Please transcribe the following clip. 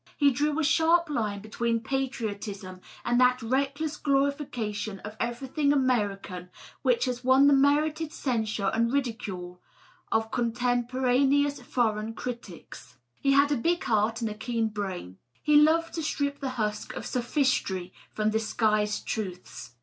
He drew a sharp line between patriotism and that reckless glorification of everything Amer ican which has won the merited censure and ridicule of contempora neous foreign critics. He had a big heart and a keen brain. He loved to strip the husk of sophistry from disguised truths.